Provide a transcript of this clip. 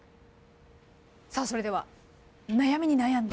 さあそれでは悩みに悩んで。